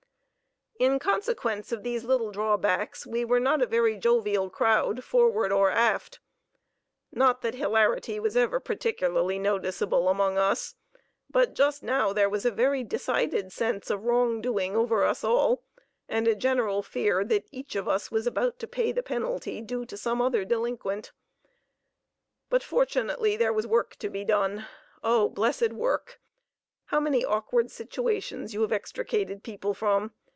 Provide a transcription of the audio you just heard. In consequence of these little drawbacks we were not a very jovial crowd forward or aft. Not that hilarity was ever particularly noticeable among us, but just now there was a very decided sense of wrong doing over us all, and a general fear that each of us was about to pay the penalty due to some other delinquent. But fortunately there was work to be done. Oh, blessed work! how many awkward situations you have extricated people from!